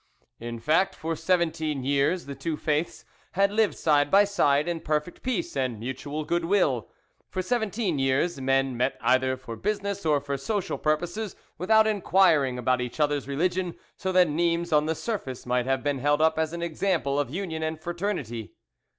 In fact, for seventeen years the two faiths had lived side by side in perfect peace and mutual good will; for seventeen years men met either for business or for social purposes without inquiring about each other's religion, so that Nimes on the surface might have been held up as an example of union and fraternity.